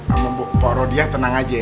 ambo pok rodia tenang aja ya